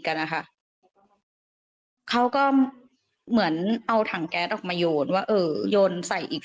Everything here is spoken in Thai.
กันนะคะเขาก็เหมือนเอาถังแก๊สออกมาโยนว่าเออโยนใส่อีก